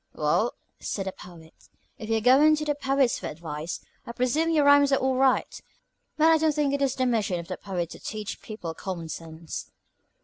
"Well," said the Poet, "if you're going to the poets for advice, I presume your rhymes are all right. But I don't think it is the mission of the poet to teach people common sense."